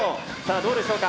どうでしょうか？